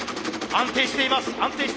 安定しています。